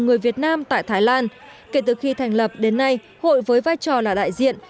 người việt nam tại thái lan kể từ khi thành lập đến nay hội với vai trò là đại diện